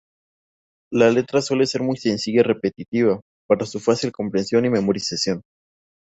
La letra suele ser muy sencilla y repetitiva, para su fácil comprensión y memorización.